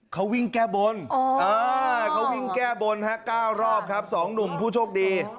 เขาวิ่งแก้บนอ้อุ่นแกะโบลนะครับ๙รอบครับ๒หนุ่มผู้โชคดี